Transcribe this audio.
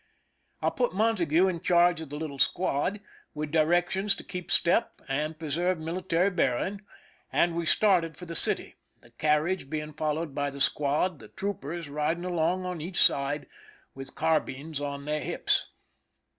I put Montague in charge of the little squad, with directions to keep step and preserve military bearing, and we started for the city, the carriage being followed by the squad, the troopers riding along on each side, with carbines on their hips.